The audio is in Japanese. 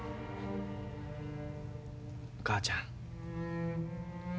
お母ちゃん。